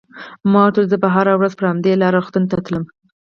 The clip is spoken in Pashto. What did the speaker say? ما ورته وویل: زه به هره ورځ پر همدې لار روغتون ته تلم.